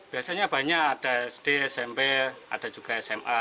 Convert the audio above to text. biasanya banyak ada sd smp ada juga sma